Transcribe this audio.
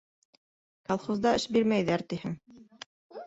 Колхозда эш бирмәйҙәр тиһең...